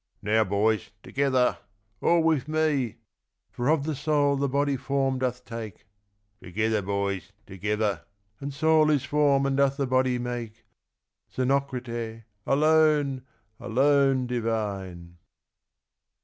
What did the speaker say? —" Now boys, together ! All with me !"" For of the soul the body form doth take ;—... Together, boys, together ! And soul is form and doth the body make." Xenocrate, alone, alone divine